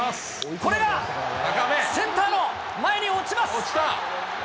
これが、センターの前に落ちます。